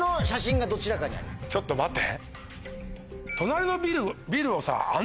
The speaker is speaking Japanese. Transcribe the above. ちょっと待て。